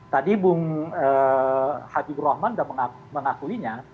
tadi bung habibur rahman sudah mengakuinya